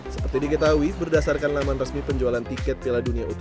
seperti diketahui berdasarkan laman resmi penjualan tiket piala dunia u tujuh belas